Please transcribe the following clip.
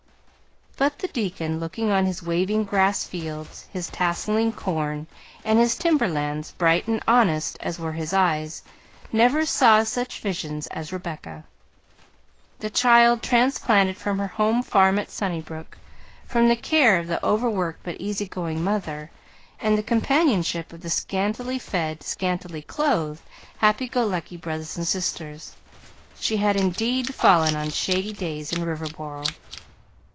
But the deacon, looking on his waving grass fields, his tasseling corn and his timber lands, bright and honest as were his eyes, never saw such visions as Rebecca. The child, transplanted from her home farm at Sunnybrook, from the care of the overworked but easy going mother, and the companionship of the scantily fed, scantily clothed, happy go lucky brothers and sisters she had indeed fallen on shady days in Riverboro.